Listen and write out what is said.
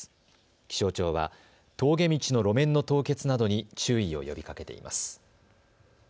気象庁は峠道の路面の凍結などに注意を呼びかけています。